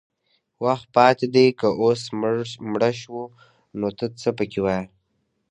وخت پاتې دی که اوس مړه شو نو ته څه پکې وایې